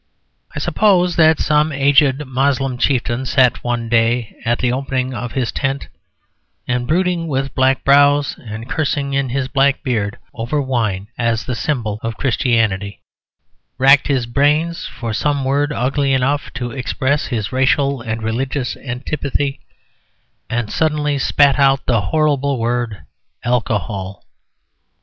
I suppose that some aged Moslem chieftain sat one day at the opening of his tent and, brooding with black brows and cursing in his black beard over wine as the symbol of Christianity, racked his brains for some word ugly enough to express his racial and religious antipathy, and suddenly spat out the horrible word "alcohol."